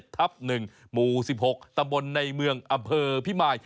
ทับหนึ่งหมู่สิบหกตะบนในเมืองอำเภอพิมาย